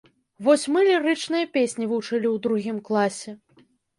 Вось мы лірычныя песні вучылі ў другім класе.